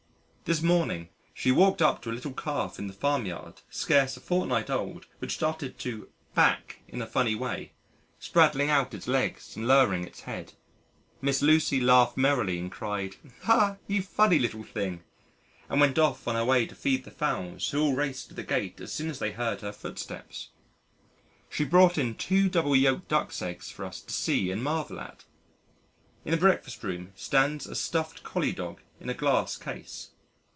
This morning, she walked up to a little Calf in the farm yard scarce a fortnight old which started to "back" in a funny way, spraddling out its legs and lowering its head. Miss Lucy laughed merrily and cried "Ah! you funny little thing," and went off on her way to feed the Fowls who all raced to the gate as soon as they heard her footsteps. She brought in two double yolked Ducks' eggs for us to see and marvel at. In the breakfast room stands a stuffed Collie dog in a glass case.